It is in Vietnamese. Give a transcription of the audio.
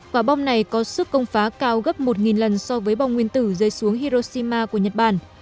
quả bom này có sức công phá cao gấp một lần so với bom nguyên tử rơi xuống hiroshima của nhật bản